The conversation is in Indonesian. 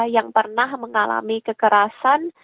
yang pernah mengalami kekerasan